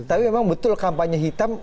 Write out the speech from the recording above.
tapi memang betul kampanye hitam